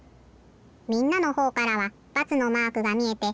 みんなのほうからは×のマークがみえて。